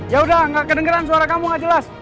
ya udah gak kedengeran suara kamu gak jelas